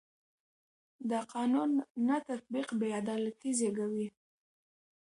د قانون نه تطبیق بې عدالتي زېږوي